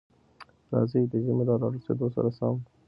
راځئ، د ژمي له را رسېدو سره سم،